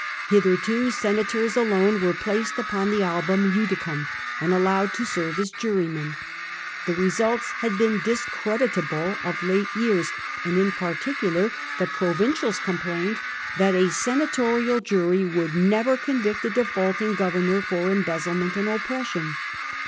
Hitherto senators alone were placed upon the album judicum, and allowed to serve as jurymen. The results had been discreditable of late years, and in particular the provincials complained that a senatorial jury would never convict a defaulting governor for embezzlement and oppression.